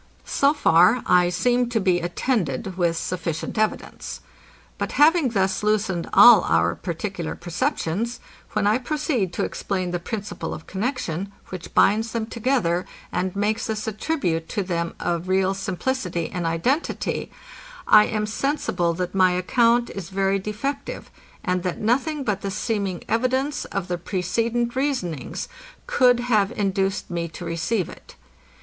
So far I seem to be attended with sufficient evidence. But having thus loosened all our particular perceptions, when I proceed to explain the principle of connexion, which binds them together, and makes us attribute to them a real simplicity and identity; I am sensible, that my account is very defective, and that nothing but the seeming evidence of the precedent reasonings could have induced me to receive it.